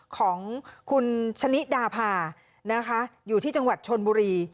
ของคุณชะนิดาพานะคะอยู่ที่จังหวัดชนบุรี